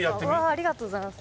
ありがとうございます。